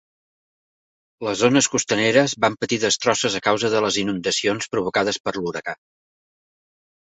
Les zones costaneres van patir destrosses a causa de les inundacions provocades per l'huracà.